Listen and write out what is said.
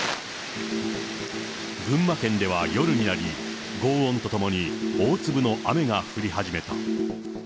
群馬県では夜になり、ごう音と共に大粒の雨が降り始めた。